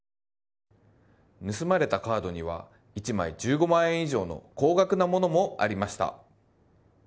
盗まれたカードには１枚１５万円以上の高額なものもありました。